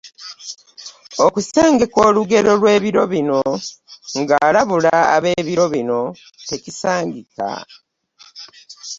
Okusengeka olugero lw'ebiro bino ng'alabula ab'ebiro bino tekisangika.